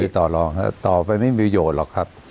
ไม่ได้ต่อรองต่อไปไม่มีประโยชน์หรอกครับ